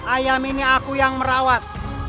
ayam ini aku yang merawat